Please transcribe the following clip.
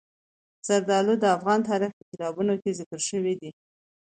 زردالو د افغان تاریخ په کتابونو کې ذکر شوی دي.